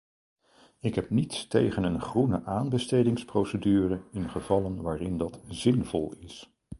Ik heb niets tegen een groene aanbestedingsprocedure in gevallen waarin dat zinvol is.